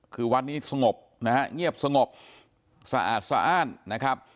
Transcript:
คือวัดนี้สงบนะฮะเงียบสงบสะอาดสะอ้านนะครับ